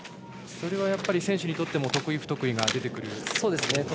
選手にとっても得意不得意が出てくるところですね。